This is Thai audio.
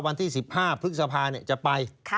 วันที่๑๕พฤษภาจะไป